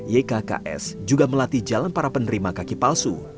ykks juga melatih jalan para penerima kaki palsu